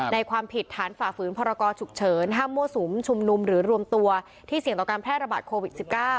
ความผิดฐานฝ่าฝืนพรกรฉุกเฉินห้ามมั่วสุมชุมนุมหรือรวมตัวที่เสี่ยงต่อการแพร่ระบาดโควิด๑๙